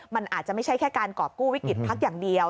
มันอาจจะไม่ใช่แค่การกรอบกู้วิกฤตพักอย่างเดียว